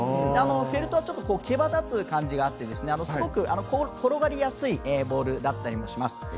フェルトはけばだつ感じがあってすごく転がりやすいボールだったりもします。